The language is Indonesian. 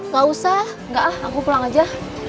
gak usah gak ah aku pulang aja